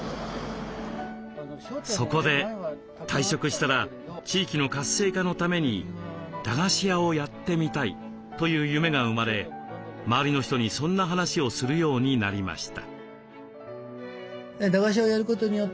そこで「退職したら地域の活性化のために駄菓子屋をやってみたい」という夢が生まれ周りの人にそんな話をするようになりました。